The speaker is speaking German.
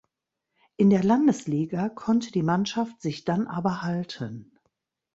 In der Landesliga konnte die Mannschaft sich dann aber halten.